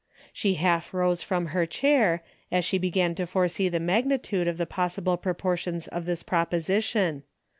She half rose from her chair, as she began to foresee the magnitude of the possible propor tions of this proposition.